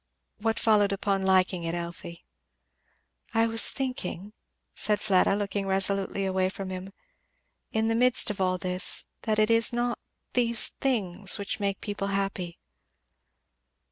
"What followed upon liking it, Elfie?" "I was thinking," said Fleda, looking resolutely away from him, "in the midst of all this, that it is not these things which make people happy."